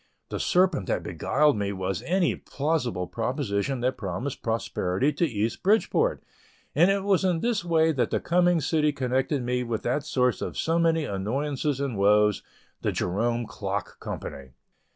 The serpent that beguiled me was any plausible proposition that promised prosperity to East Bridgeport, and it was in this way that the coming city connected me with that source of so many annoyances and woes, the Jerome Clock Company.